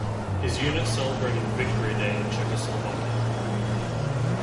His unit celebrated Victory Day in Czechoslovakia.